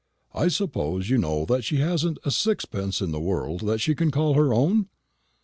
I suppose you know that she hasn't a sixpence in the world, that she can call her own?"